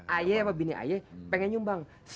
ayah sama bini ayah pengen nyumbang